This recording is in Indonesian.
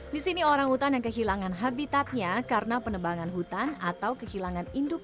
disini orangutan yang kehilangan habitatnya karena penebangan hutan atau kehilangan induk